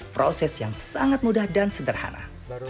proses yang sangat mudah dan sederhana